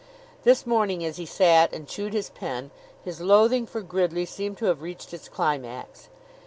This morning, as he sat and chewed his pen, his loathing for Gridley seemed to have reached its climax.